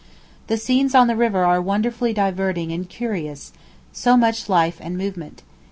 The scenes on the river are wonderfully diverting and curious, so much life and movement.